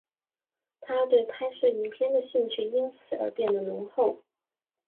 他对拍摄影片的兴趣因此而变得浓厚。